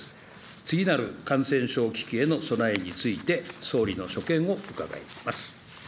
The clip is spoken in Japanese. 次なる感染症危機への備えについて、総理の所見を伺います。